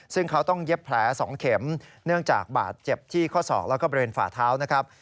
ซึ่งเขาต้องเย็บแผล๒เข็มเนื่องจากบาดเจ็บที่ข้อศอกแล้วก็บริเวณฝ่าเท้านะครับ